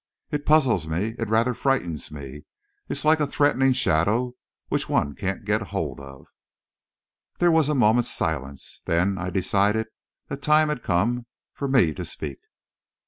It puzzles me; it rather frightens me; it's like a threatening shadow which one can't get hold of." There was a moment's silence; then, I decided, the time had come for me to speak.